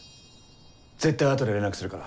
絶対後で連絡するから。